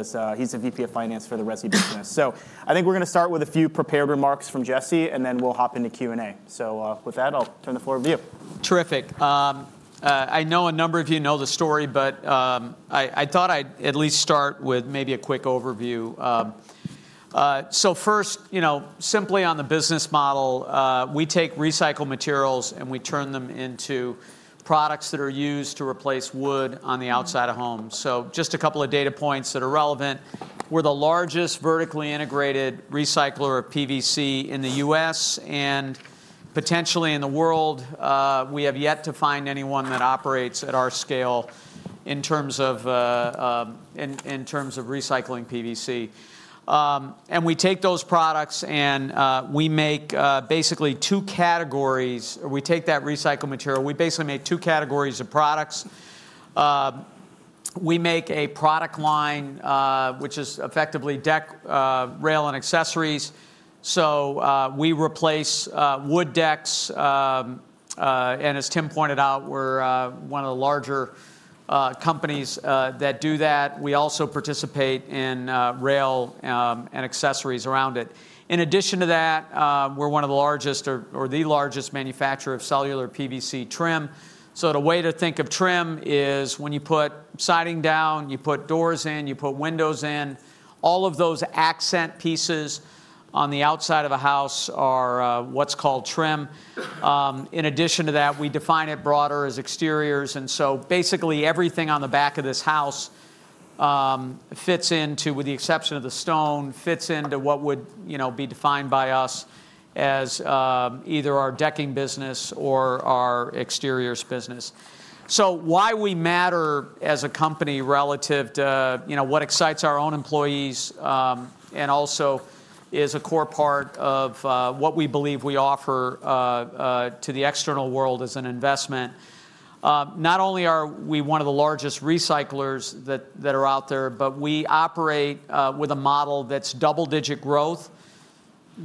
As he's the VP of Finance for the resi business. So I think we're gonna start with a few prepared remarks from Jesse, and then we'll hop into Q&A. So, with that, I'll turn the floor over to you. Terrific. I know a number of you know the story, but I thought I'd at least start with maybe a quick overview. So first, you know, simply on the business model, we take recycled materials, and we turn them into products that are used to replace wood on the outside of homes. So just a couple of data points that are relevant. We're the largest vertically integrated recycler of PVC in the U.S. and potentially in the world. We have yet to find anyone that operates at our scale in terms of recycling PVC. And we take those products, and we make basically two categories. We take that recycled material, we basically make two categories of products. We make a product line which is effectively deck, rail, and accessories. So, we replace wood decks, and as Tim pointed out, we're one of the larger companies that do that. We also participate in rail and accessories around it. In addition to that, we're one of the largest or the largest manufacturer of cellular PVC trim. So the way to think of trim is when you put siding down, you put doors in, you put windows in, all of those accent pieces on the outside of a house are what's called trim. In addition to that, we define it broader as exteriors, and so basically, everything on the back of this house fits into, with the exception of the stone, fits into what would, you know, be defined by us as either our decking business or our exteriors business. So why we matter as a company relative to, you know, what excites our own employees, and also is a core part of what we believe we offer to the external world as an investment. Not only are we one of the largest recyclers that are out there, but we operate with a model that's double-digit growth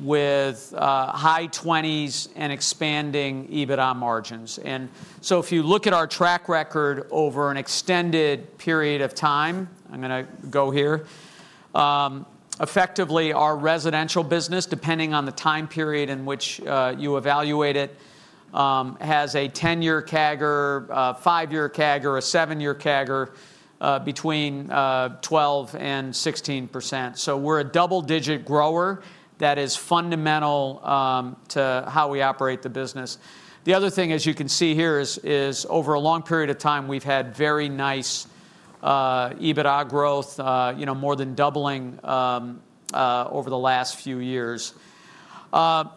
with high 20s and expanding EBITDA margins. And so if you look at our track record over an extended period of time, I'm gonna go here, effectively, our residential business, depending on the time period in which you evaluate it, has a 10-year CAGR, a five-year CAGR, a seven-year CAGR, between 12% and 16%. So we're a double-digit grower. That is fundamental to how we operate the business. The other thing, as you can see here, is over a long period of time, we've had very nice EBITDA growth, you know, more than doubling over the last few years. Let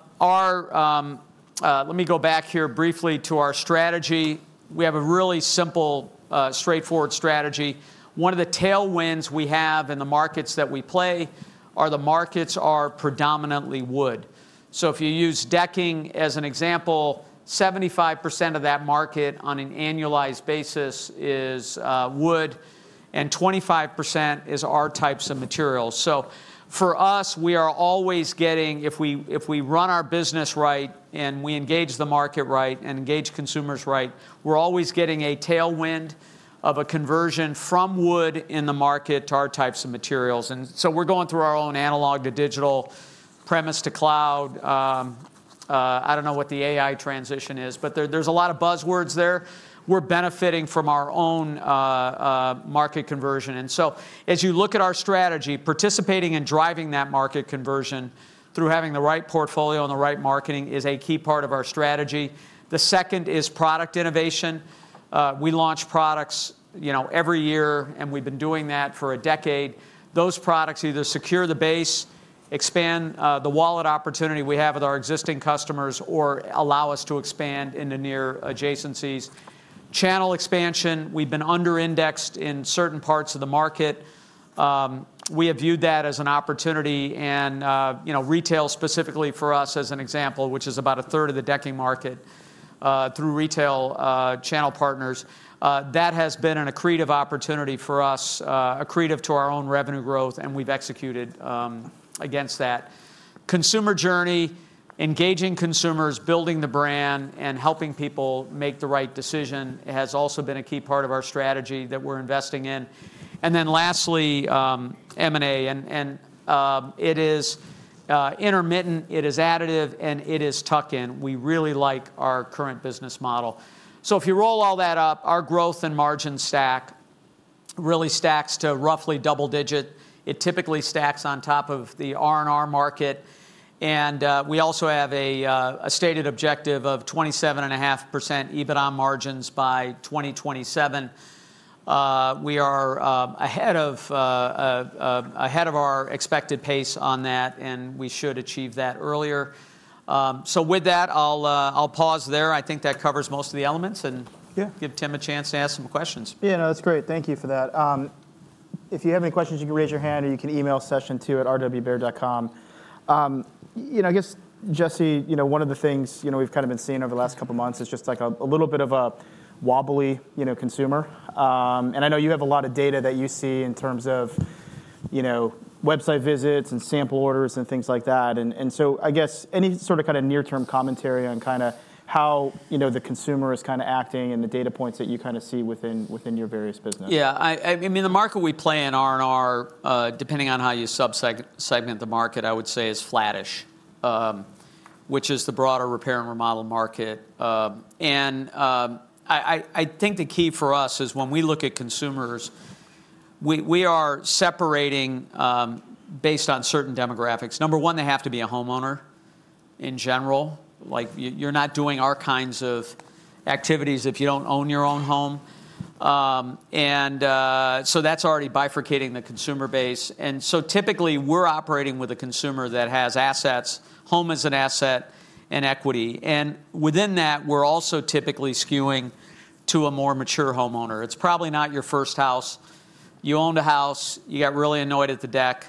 me go back here briefly to our strategy. We have a really simple, straightforward strategy. One of the tailwinds we have in the markets that we play are the markets are predominantly wood. So if you use decking as an example, 75% of that market on an annualized basis is wood, and 25% is our types of materials. So for us, we are always getting, if we run our business right, and we engage the market right and engage consumers right, we're always getting a tailwind of a conversion from wood in the market to our types of materials. And so we're going through our own analog to digital, premise to cloud, I don't know what the AI transition is, but there, there's a lot of buzzwords there. We're benefiting from our own market conversion. And so as you look at our strategy, participating and driving that market conversion through having the right portfolio and the right marketing is a key part of our strategy. The second is product innovation. We launch products, you know, every year, and we've been doing that for a decade. Those products either secure the base, expand the wallet opportunity we have with our existing customers, or allow us to expand into near adjacencies. Channel expansion, we've been under-indexed in certain parts of the market. We have viewed that as an opportunity and, you know, retail specifically for us, as an example, which is about a third of the decking market, through retail channel partners, that has been an accretive opportunity for us, accretive to our own revenue growth, and we've executed against that. Consumer journey, engaging consumers, building the brand, and helping people make the right decision has also been a key part of our strategy that we're investing in. And then lastly, M&A, and it is intermittent, it is additive, and it is tuck-in. We really like our current business model. So if you roll all that up, our growth and margin stack really stacks to roughly double-digit. It typically stacks on top of the R&R market, and we also have a stated objective of 27.5% EBITDA margins by 2027. We are ahead of our expected pace on that, and we should achieve that earlier. So with that, I'll pause there. I think that covers most of the elements, and- Yeah... give Tim a chance to ask some questions. Yeah, no, that's great. Thank you for that. If you have any questions, you can raise your hand, or you can email sessiontwo@rwbaird.com. You know, I guess, Jesse, you know, one of the things, you know, we've kind of been seeing over the last couple of months is just, like, a little bit of a wobbly, you know, consumer. And I know you have a lot of data that you see in terms of, you know, website visits and sample orders and things like that. And so I guess any sort of, kind of near-term commentary on kinda how, you know, the consumer is kinda acting and the data points that you kinda see within, within your various businesses? Yeah, I mean, the market we play in R&R, depending on how you segment the market, I would say is flattish, which is the broader repair and remodel market. And I think the key for us is when we look at consumers, we are separating based on certain demographics. Number one, they have to be a homeowner, in general. Like, you're not doing our kinds of activities if you don't own your own home. So that's already bifurcating the consumer base, and so typically, we're operating with a consumer that has assets, home as an asset, and equity. And within that, we're also typically skewing to a more mature homeowner. It's probably not your first house. You owned a house, you got really annoyed at the deck,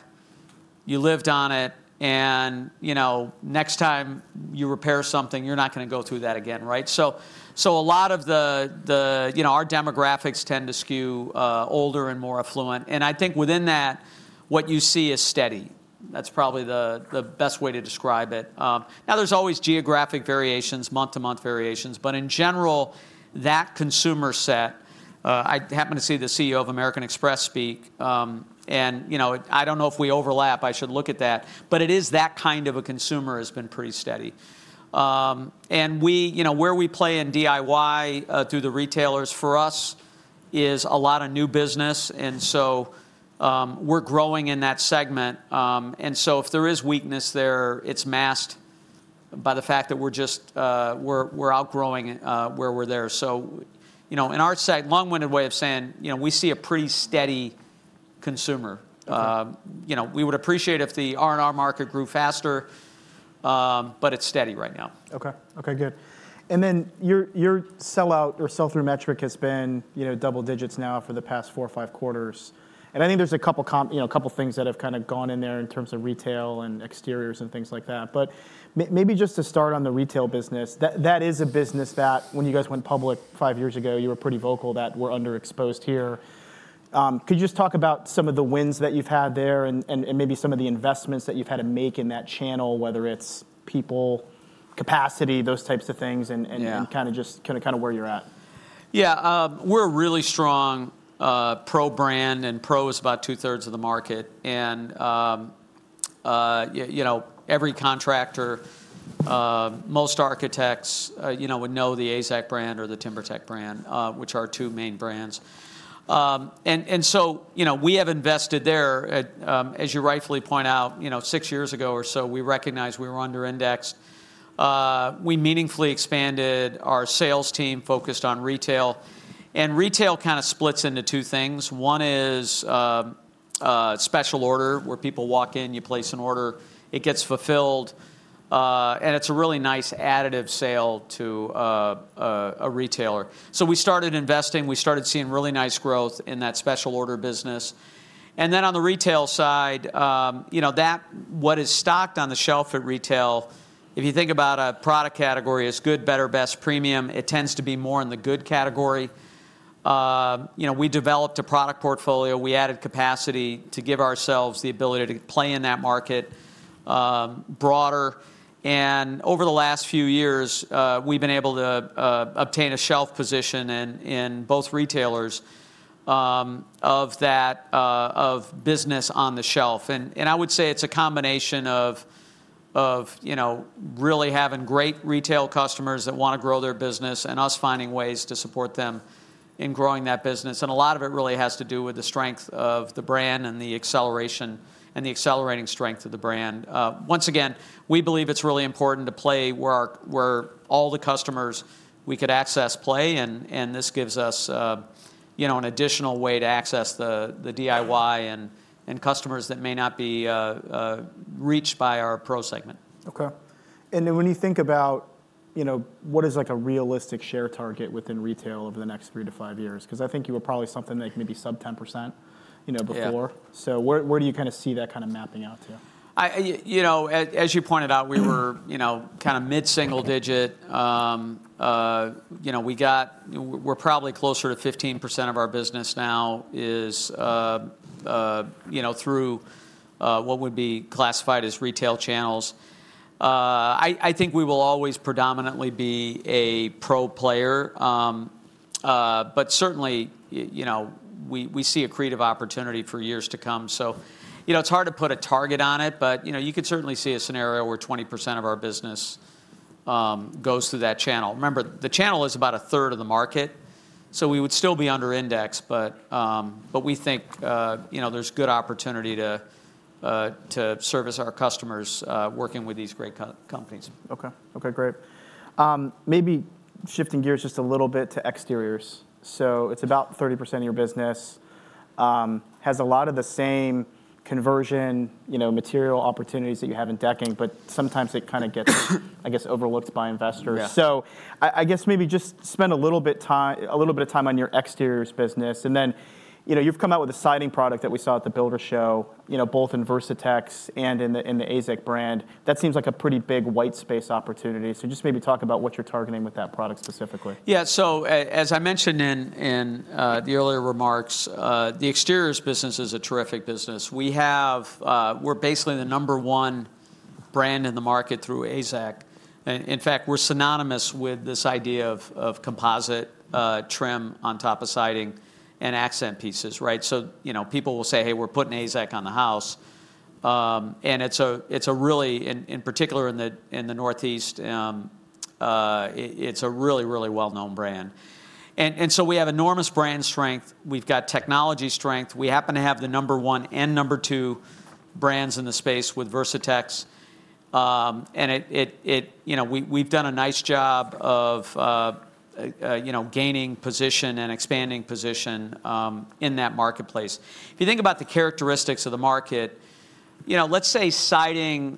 you lived on it, and, you know, next time you repair something, you're not gonna go through that again, right? So a lot of the, you know, our demographics tend to skew older and more affluent, and I think within that, what you see is steady. That's probably the best way to describe it. Now, there's always geographic variations, month-to-month variations, but in general, that consumer set. I happened to see the CEO of American Express speak, and, you know, I don't know if we overlap. I should look at that, but it is that kind of a consumer has been pretty steady. And we, you know, where we play in DIY through the retailers, for us, is a lot of new business, and so we're growing in that segment. And so if there is weakness there, it's masked by the fact that we're just, we're outgrowing where we're there. So, you know, in a slight, long-winded way of saying, you know, we see a pretty steady consumer. Okay. You know, we would appreciate if the R&R market grew faster, but it's steady right now. Okay. Okay, good. And then, your sell-out or sell-through metric has been, you know, double digits now for the past four or five quarters. And I think there's a couple, you know, a couple of things that have kind of gone in there in terms of retail and exteriors and things like that. But maybe just to start on the retail business, that is a business that when you guys went public five years ago, you were pretty vocal that were underexposed here. Could you just talk about some of the wins that you've had there and maybe some of the investments that you've had to make in that channel, whether it's people, capacity, those types of things- Yeah... and kind of just where you're at? Yeah, we're a really strong pro brand, and pro is about two-thirds of the market. You know, every contractor, most architects, you know, would know the AZEK brand or the TimberTech brand, which are our two main brands. So, you know, we have invested there. As you rightfully point out, you know, six years ago or so, we recognized we were under indexed. We meaningfully expanded our sales team, focused on retail, and retail kind of splits into two things. One is special order, where people walk in, you place an order, it gets fulfilled, and it's a really nice additive sale to a retailer. So we started investing, we started seeing really nice growth in that special order business. And then on the retail side, you know, that, what is stocked on the shelf at retail, if you think about a product category, is good, better, best premium, it tends to be more in the good category. You know, we developed a product portfolio, we added capacity to give ourselves the ability to play in that market, broader. And over the last few years, we've been able to obtain a shelf position in both retailers of that business on the shelf. And I would say it's a combination of, you know, really having great retail customers that wanna grow their business and us finding ways to support them in growing that business. And a lot of it really has to do with the strength of the brand and the acceleration, and the accelerating strength of the brand. Once again, we believe it's really important to play where all the customers we could access play, and this gives us, you know, an additional way to access the DIY and customers that may not be reached by our pro segment. Okay. And then when you think about, you know, what is like a realistic share target within retail over the next three to five years? Because I think you were probably something like maybe sub 10%, you know, before. Yeah. Where do you kind of see that kind of mapping out to? You know, as you pointed out, we were—you know—kind of mid-single-digit. You know, we're probably closer to 15% of our business now is, you know, through what would be classified as retail channels. I think we will always predominantly be a pro player. But certainly, you know, we see a creative opportunity for years to come. So, you know, it's hard to put a target on it, but, you know, you could certainly see a scenario where 20% of our business goes through that channel. Remember, the channel is about a third of the market, so we would still be under index, but we think, you know, there's good opportunity to service our customers working with these great companies. Okay. Okay, great. Maybe shifting gears just a little bit to exteriors. So it's about 30% of your business has a lot of the same conversion, you know, material opportunities that you have in decking, but sometimes it kind of gets... I guess, overlooked by investors. Yeah. I guess maybe just spend a little bit of time on your exteriors business, and then, you know, you've come out with a siding product that we saw at the Builder Show, you know, both in Versatex and in the AZEK brand. That seems like a pretty big white space opportunity. Just maybe talk about what you're targeting with that product specifically. Yeah, so as I mentioned in the earlier remarks, the exteriors business is a terrific business. We have... we're basically the number one brand in the market through AZEK. In fact, we're synonymous with this idea of composite trim on top of siding and accent pieces, right? So, you know, people will say, "Hey, we're putting AZEK on the house." And it's a really, in particular, in the Northeast, it's a really, really well-known brand. And so we have enormous brand strength, we've got technology strength. We happen to have the number one and number two brands in the space with Versatex. And it you know, we've done a nice job of you know, gaining position and expanding position in that marketplace. If you think about the characteristics of the market, you know, let's say siding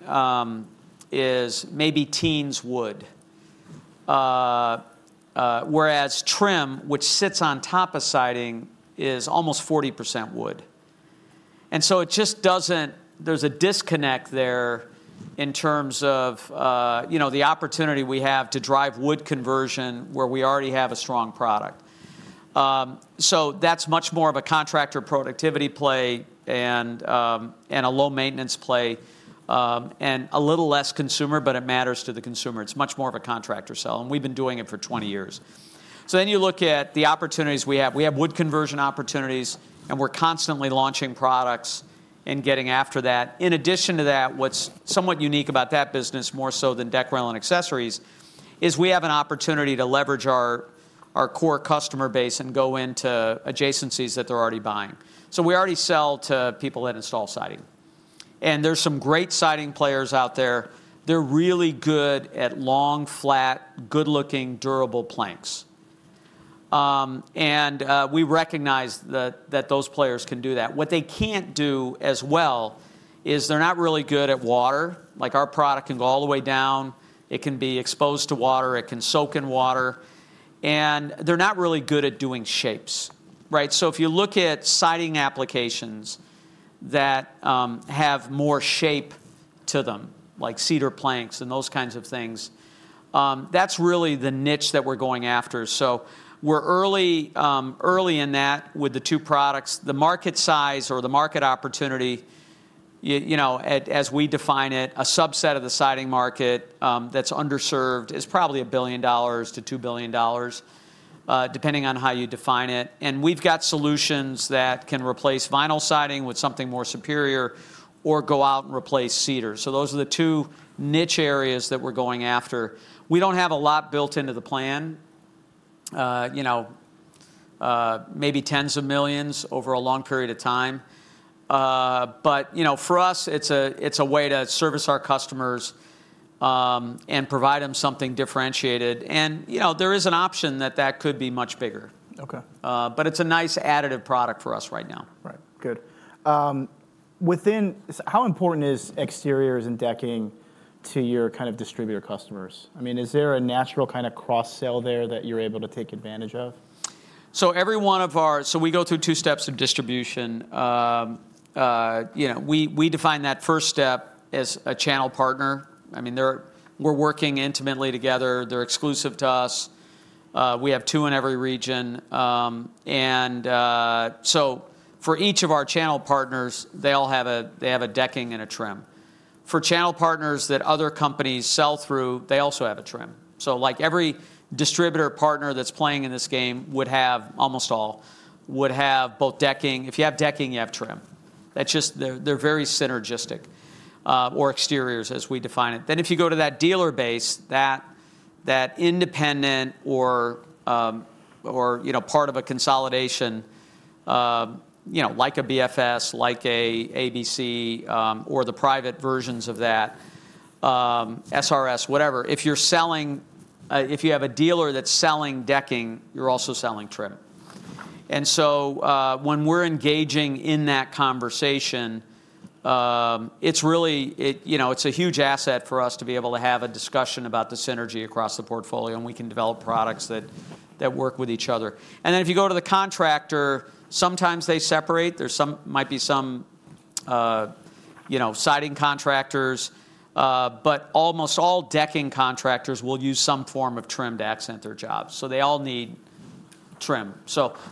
is maybe teens wood, whereas trim, which sits on top of siding, is almost 40% wood. And so it just doesn't. There's a disconnect there in terms of, you know, the opportunity we have to drive wood conversion where we already have a strong product. So that's much more of a contractor productivity play and a low maintenance play, and a little less consumer, but it matters to the consumer. It's much more of a contractor sell, and we've been doing it for 20 years. So then you look at the opportunities we have. We have wood conversion opportunities, and we're constantly launching products and getting after that. In addition to that, what's somewhat unique about that business, more so than deck rail and accessories, is we have an opportunity to leverage our core customer base and go into adjacencies that they're already buying. So we already sell to people that install siding. And there's some great siding players out there. They're really good at long, flat, good-looking, durable planks. And we recognize that those players can do that. What they can't do as well is they're not really good at water. Like, our product can go all the way down, it can be exposed to water, it can soak in water, and they're not really good at doing shapes, right? So if you look at siding applications that have more shape to them, like cedar planks and those kinds of things, that's really the niche that we're going after. So we're early, early in that with the two products. The market size or the market opportunity, you know, as we define it, a subset of the siding market, that's underserved, is probably $1 billion-$2 billion, depending on how you define it. And we've got solutions that can replace vinyl siding with something more superior or go out and replace cedar. So those are the two niche areas that we're going after. We don't have a lot built into the plan, you know, maybe tens of millions over a long period of time. But, you know, for us, it's a way to service our customers, and provide them something differentiated. And, you know, there is an option that that could be much bigger. Okay. But it's a nice additive product for us right now. Right. Good. How important is exteriors and decking to your kind of distributor customers? I mean, is there a natural kind of cross-sell there that you're able to take advantage of? So we go through two steps of distribution. You know, we define that first step as a channel partner. I mean, we're working intimately together. They're exclusive to us. We have two in every region. So for each of our channel partners, they have a decking and a trim. For channel partners that other companies sell through, they also have a trim. So, like, every distributor partner that's playing in this game would have, almost all, would have both decking. If you have decking, you have trim. That's just. They're very synergistic or exteriors, as we define it. Then, if you go to that dealer base, that independent or, or, you know, part of a consolidation, you know, like a BFS, like a ABC, or the private versions of that, SRS, whatever. If you're selling, if you have a dealer that's selling decking, you're also selling trim. And so, when we're engaging in that conversation, it's really, it, you know, it's a huge asset for us to be able to have a discussion about the synergy across the portfolio, and we can develop products that, that work with each other. And then if you go to the contractor, sometimes they separate. There might be some, you know, siding contractors, but almost all decking contractors will use some form of trim to accent their jobs, so they all need trim.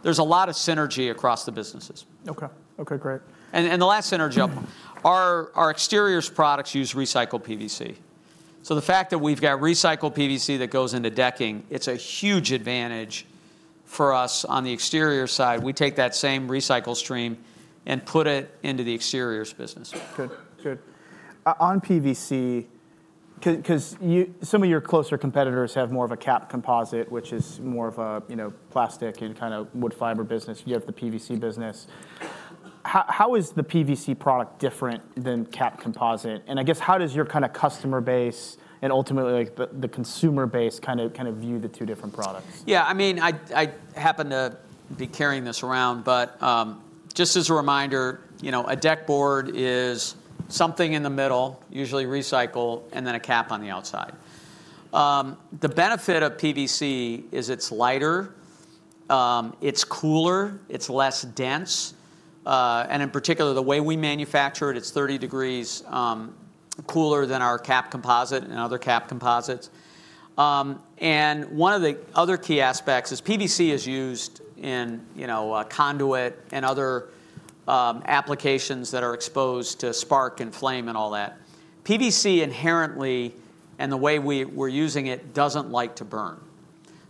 There's a lot of synergy across the businesses. Okay. Okay, great. And the last synergy, our exteriors products use recycled PVC. So the fact that we've got recycled PVC that goes into decking, it's a huge advantage for us on the exterior side. We take that same recycle stream and put it into the exteriors business. Good. Good. On PVC, 'cause you, some of your closer competitors have more of a capped composite, which is more of a, you know, plastic and kind of wood fiber business. You have the PVC business. How is the PVC product different than capped composite? And I guess, how does your kind of customer base and ultimately, like, the, the consumer base kind of, kind of view the two different products? Yeah, I mean, I happen to be carrying this around, but just as a reminder, you know, a deck board is something in the middle, usually recycled, and then a cap on the outside. The benefit of PVC is it's lighter, it's cooler, it's less dense, and in particular, the way we manufacture it, it's 30 degrees cooler than our cap composite and other cap composites. And one of the other key aspects is PVC is used in, you know, conduit and other applications that are exposed to spark and flame and all that. PVC inherently, and the way we're using it, doesn't like to burn.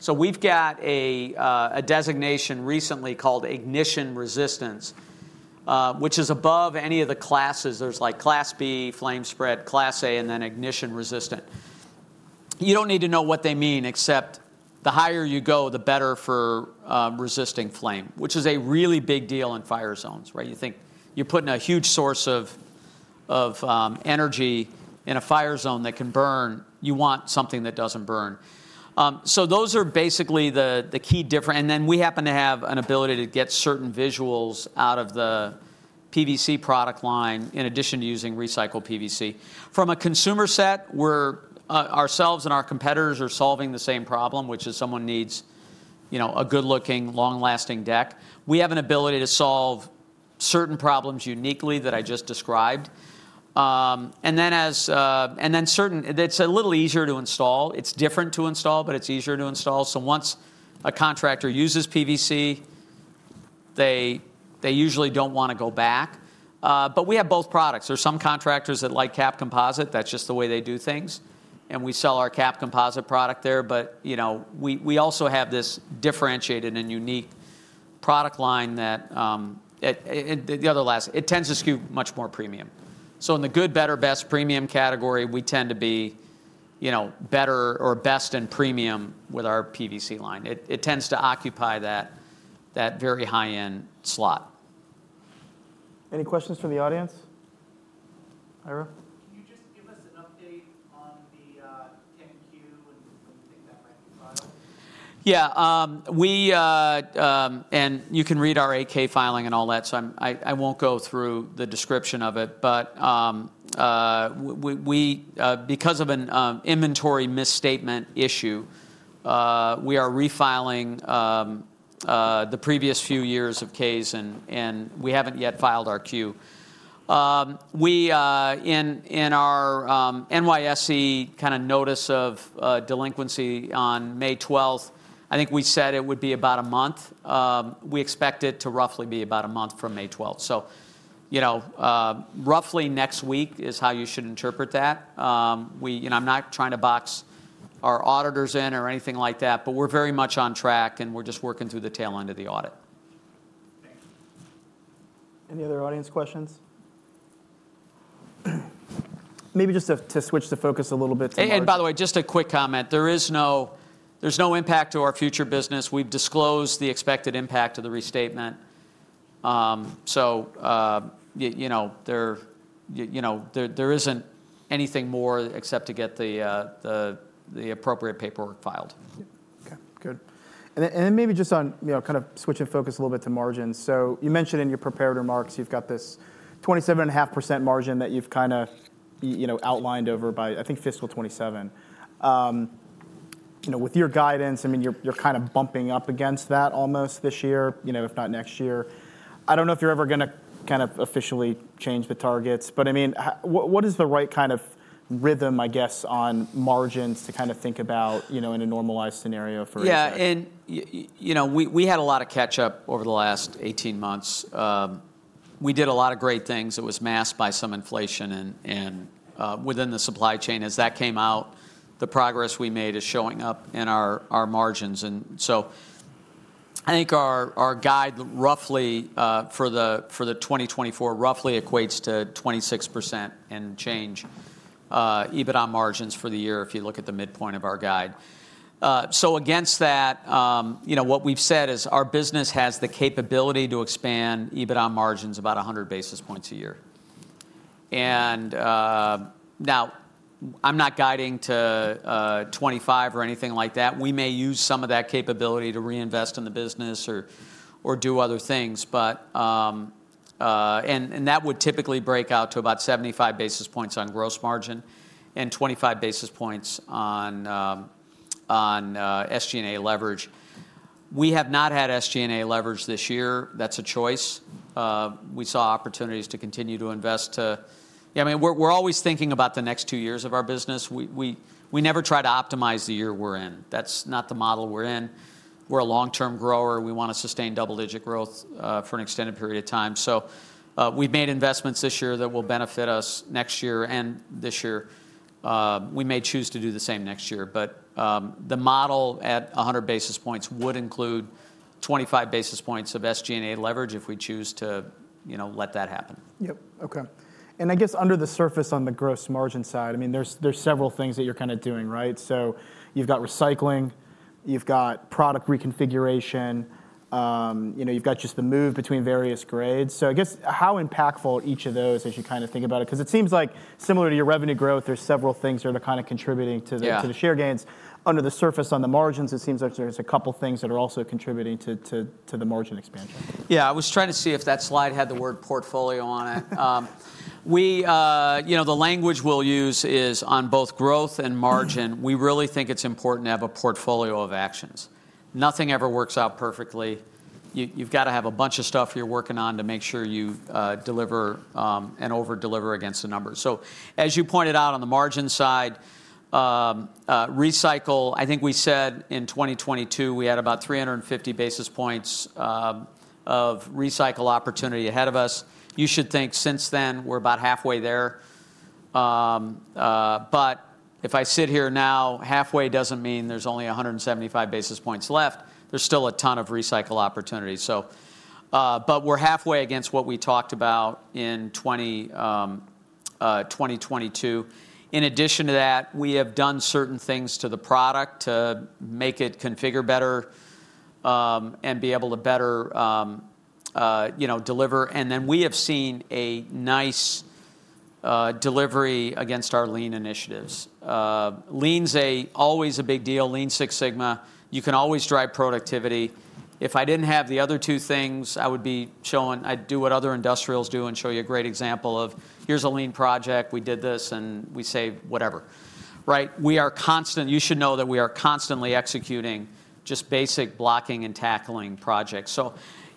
So we've got a designation recently called Ignition Resistance, which is above any of the classes. There's, like, Class B flame spread, Class A, and then ignition resistant. You don't need to know what they mean, except the higher you go, the better for resisting flame, which is a really big deal in fire zones, right? You think you're putting a huge source of energy in a fire zone that can burn. You want something that doesn't burn. So those are basically the key differences. And then we happen to have an ability to get certain visuals out of the PVC product line, in addition to using recycled PVC. From a consumer set, we're ourselves and our competitors are solving the same problem, which is someone needs, you know, a good-looking, long-lasting deck. We have an ability to solve certain problems uniquely that I just described. And then it's a little easier to install. It's different to install, but it's easier to install. So once a contractor uses PVC, they usually don't want to go back. But we have both products. There are some contractors that like cap composite, that's just the way they do things, and we sell our cap composite product there. But, you know, we also have this differentiated and unique product line that it tends to skew much more premium. So in the good, better, best premium category, we tend to be, you know, better or best in premium with our PVC line. It tends to occupy that very high-end slot. Any questions from the audience? Ira? Can you just give us an update on the 10-Q, and when you think that might be filed? Yeah, we... and you can read our 8-K filing and all that, so I won't go through the description of it. But, we, we, because of an inventory misstatement issue, we are refiling the previous few years of 10-Ks, and we haven't yet filed our 10-Q. We, in our NYSE kind of notice of delinquency on May 12th, I think we said it would be about a month. We expect it to roughly be about a month from May 12th. So, you know, roughly next week is how you should interpret that. We and I'm not trying to box our auditors in or anything like that, but we're very much on track, and we're just working through the tail end of the audit. Thank you. Any other audience questions? Maybe just to switch the focus a little bit to more- By the way, just a quick comment. There's no impact to our future business. We've disclosed the expected impact of the restatement. You know, there isn't anything more except to get the appropriate paperwork filed. Yeah. Okay, good. And then maybe just on, you know, kind of switching focus a little bit to margins. So you mentioned in your prepared remarks, you've got this 27.5% margin that you've kind of, you know, outlined over by, I think, fiscal 2027. You know, with your guidance, I mean, you're kind of bumping up against that almost this year, you know, if not next year. I don't know if you're ever gonna kind of officially change the targets, but, I mean, what is the right kind of rhythm, I guess, on margins to kind of think about, you know, in a normalized scenario for AZEK? Yeah, and you know, we had a lot of catch-up over the last 18 months. We did a lot of great things that was masked by some inflation and within the supply chain. As that came out, the progress we made is showing up in our margins. And so I think our guide, roughly, for the 2024, roughly equates to 26% and change, EBITDA margins for the year if you look at the midpoint of our guide. So against that, you know, what we've said is our business has the capability to expand EBITDA margins about 100 basis points a year. And now, I'm not guiding to 2025 or anything like that. We may use some of that capability to reinvest in the business or do other things, but. And that would typically break out to about 75 basis points on gross margin and 25 basis points on SG&A leverage. We have not had SG&A leverage this year. That's a choice. We saw opportunities to continue to invest. I mean, we're always thinking about the next two years of our business. We never try to optimize the year we're in. That's not the model we're in. We're a long-term grower. We want to sustain double-digit growth for an extended period of time. So, we've made investments this year that will benefit us next year and this year. We may choose to do the same next year, but the model at 100 basis points would include 25 basis points of SG&A leverage if we choose to, you know, let that happen. Yep. Okay. And I guess under the surface, on the gross margin side, I mean, there's several things that you're kind of doing, right? So you've got recycling, you've got product reconfiguration, you know, you've got just the move between various grades. So I guess, how impactful are each of those as you kind of think about it? Because it seems like similar to your revenue growth, there's several things that are kind of contributing to the- Yeah... to the share gains. Under the surface, on the margins, it seems like there's a couple things that are also contributing to the margin expansion. Yeah, I was trying to see if that slide had the word portfolio on it. We, you know, the language we'll use is on both growth and margin. We really think it's important to have a portfolio of actions. Nothing ever works out perfectly. You, you've got to have a bunch of stuff you're working on to make sure you, deliver, and over-deliver against the numbers. So as you pointed out on the margin side, recycle, I think we said in 2022, we had about 350 basis points, of recycle opportunity ahead of us. You should think since then, we're about halfway there.... but if I sit here now, halfway doesn't mean there's only 175 basis points left. There's still a ton of recycle opportunities, so, but we're halfway against what we talked about in 2022. In addition to that, we have done certain things to the product to make it configure better, and be able to better, you know, deliver, and then we have seen a nice, delivery against our lean initiatives. Lean's always a big deal, Lean Six Sigma. You can always drive productivity. If I didn't have the other two things, I would be showing-- I'd do what other industrials do and show you a great example of, here's a lean project, we did this, and we save whatever, right? You should know that we are constantly executing just basic blocking and tackling projects.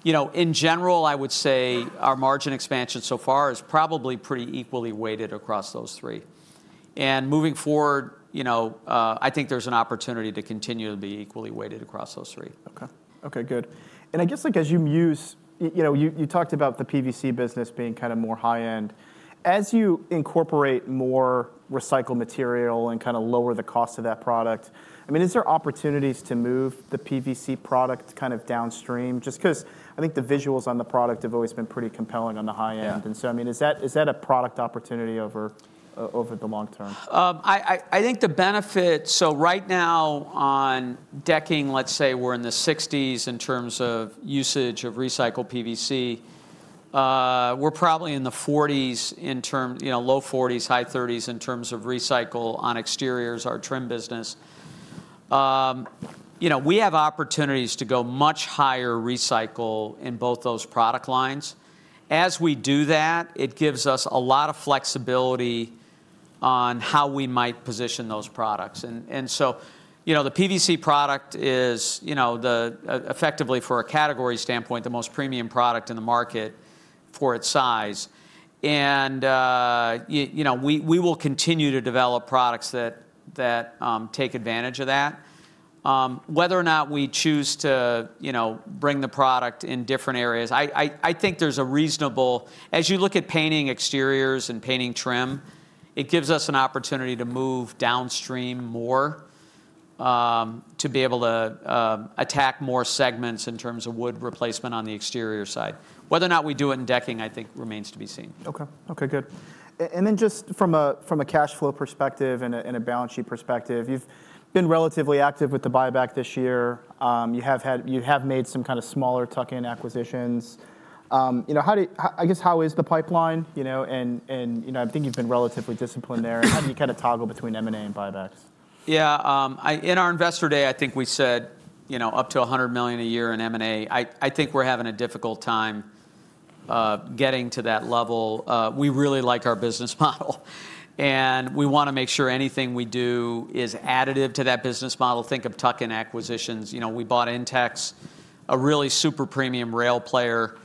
You know, in general, I would say our margin expansion so far is probably pretty equally weighted across those three. Moving forward, you know, I think there's an opportunity to continue to be equally weighted across those three. Okay. Okay, good. And I guess, like, as you muse, you know, you talked about the PVC business being kinda more high-end. As you incorporate more recycled material and kinda lower the cost of that product, I mean, is there opportunities to move the PVC product kind of downstream? Just 'cause I think the visuals on the product have always been pretty compelling on the high end. Yeah. And so, I mean, is that, is that a product opportunity over the long term? I think the benefit. So right now on decking, let's say we're in the 60s in terms of usage of recycled PVC. We're probably in the 40s in terms-- you know, low 40s, high 30s in terms of recycled on exteriors, our trim business. You know, we have opportunities to go much higher recycled in both those product lines. As we do that, it gives us a lot of flexibility on how we might position those products. And so, you know, the PVC product is, you know, the effectively, for a category standpoint, the most premium product in the market for its size. And you know, we will continue to develop products that take advantage of that. Whether or not we choose to, you know, bring the product in different areas, I think there's a reasonable... As you look at painting exteriors and painting trim, it gives us an opportunity to move downstream more, to be able to attack more segments in terms of wood replacement on the exterior side. Whether or not we do it in decking, I think remains to be seen. Okay. Okay, good. And then just from a cash flow perspective and a balance sheet perspective, you've been relatively active with the buyback this year. You have made some kind of smaller tuck-in acquisitions. You know, I guess, how is the pipeline? You know, and you know, I think you've been relatively disciplined there. How do you kinda toggle between M&A and buybacks? Yeah, in our Investor Day, I think we said, you know, up to $100 million a year in M&A. I think we're having a difficult time getting to that level. We really like our business model, and we wanna make sure anything we do is additive to that business model. Think of tuck-in acquisitions. You know, we bought Intex, a really super premium rail player.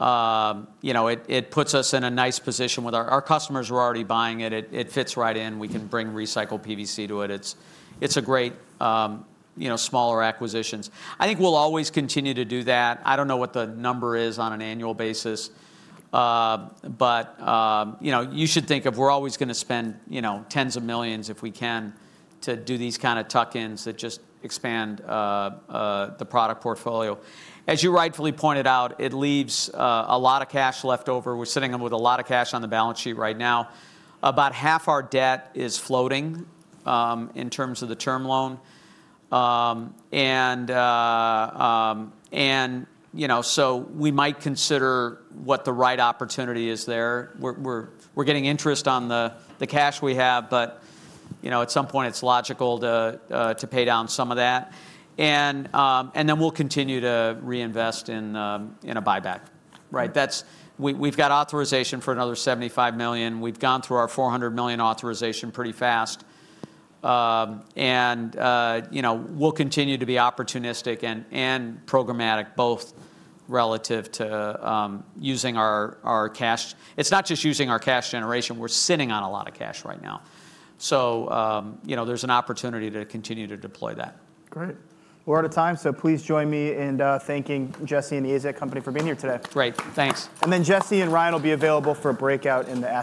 You know, it puts us in a nice position with our... Our customers were already buying it. It fits right in. We can bring recycled PVC to it. It's a great, you know, smaller acquisitions. I think we'll always continue to do that. I don't know what the number is on an annual basis, but, you know, you should think of we're always gonna spend, you know, tens of millions, if we can, to do these kinda tuck-ins that just expand the product portfolio. As you rightfully pointed out, it leaves a lot of cash left over. We're sitting with a lot of cash on the balance sheet right now. About half our debt is floating in terms of the term loan. And, you know, so we might consider what the right opportunity is there. We're getting interest on the cash we have, but, you know, at some point, it's logical to pay down some of that. And then we'll continue to reinvest in a buyback. Right? We, we've got authorization for another $75 million. We've gone through our $400 million authorization pretty fast. You know, we'll continue to be opportunistic and programmatic, both relative to using our cash. It's not just using our cash generation; we're sitting on a lot of cash right now. So, you know, there's an opportunity to continue to deploy that. Great. We're out of time, so please join me in thanking Jesse and the AZEK company for being here today. Great, thanks. Jesse and Ryan will be available for a breakout in the app.